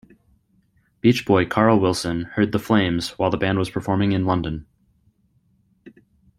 Beach Boy Carl Wilson heard The Flames while the band was performing in London.